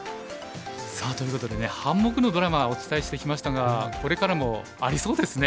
さあということでね半目のドラマお伝えしてきましたがこれからもありそうですね。